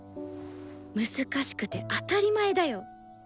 難しくて当たり前だよ。